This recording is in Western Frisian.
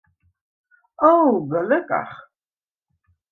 O, gelokkich.